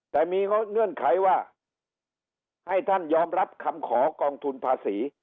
แต่มีเงื่อนไขว่าให้ท่านยอมรับคำขอกองทุนภาษี